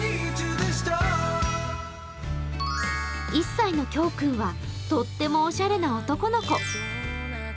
１歳のきょーくんはとってもおしゃれな男の子。